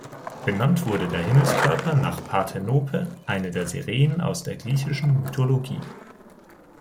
Benannt wurde der Himmelskörper nach Parthenope, eine der Sirenen aus der griechischen Mythologie.